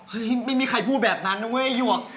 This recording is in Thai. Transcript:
ไม่มีใครพูดแบบนั้นนะเว้ยหวก